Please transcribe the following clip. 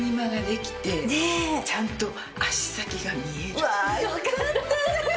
うわよかった！